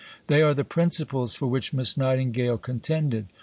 They are the principles for which Miss Nightingale contended.